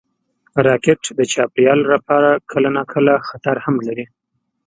راکټ د چاپېریال لپاره کله ناکله خطر هم لري